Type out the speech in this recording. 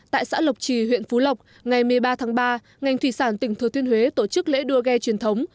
tại xã lộc trì huyện phú lộc ngày một mươi ba tháng ba ngành thủy sản tỉnh thừa thiên huế tổ chức lễ đua ghe truyền thống